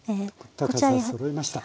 高さそろいました。